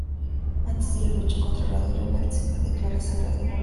Antes de la lucha contra Radio Rebel, Stacy declara: "Soy Radio Rebel".